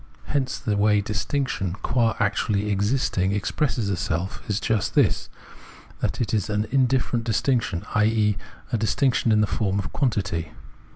Hence, the way distinction qua actually existing expresses itseK is just this, that it is an indifferent distinction, i.e. a distinction in the form of quantity.